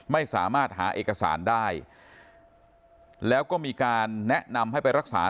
ไม่สามารถหาเอกสารได้แล้วก็มีการแนะนำให้ไปรักษา